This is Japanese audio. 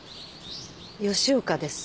吉岡です。